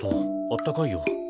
あったかいよ。